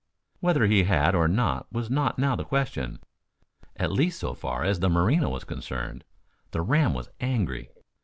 Whether he had or not was not now the question, at least so far as the Merino was concerned. The ram was angry.